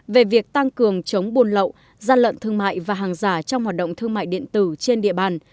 về việc tăng cường chống buôn lậu gian lận thương mại và hàng giả trong hoạt động thương mại điện tử trên địa bàn